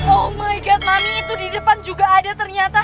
oh my god mami itu di depan juga ada ternyata